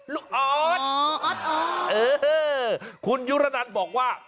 ลูกออสเออฮือคุณยุระนันด์บอกว่า